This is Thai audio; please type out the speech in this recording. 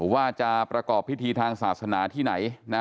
ว่าจะประกอบพิธีทางศาสนาที่ไหนนะ